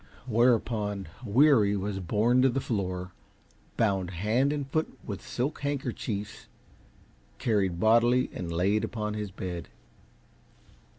Whereupon Weary was borne to the floor, bound hand and foot with silk handkerchiefs, carried bodily and laid upon his bed.